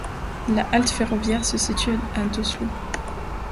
La halte ferroviaire se situe à d'Oslo.